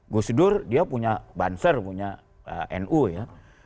gus dur dia punya banser punya nu ya